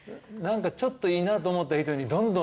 ちょっといいなと思った人にどんどんさ